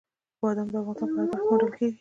بادام د افغانستان په هره برخه کې موندل کېږي.